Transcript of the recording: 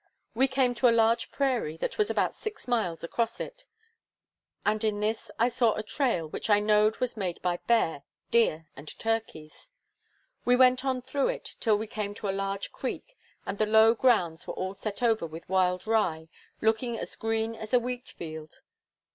We came to a large prairie, that was about six miles across it, and in this I saw a trail which I knowed was made by bear, deer, and turkeys. We went on through it till we came to a large creek, and the low grounds were all set over with wild rye, looking as green as a wheat field.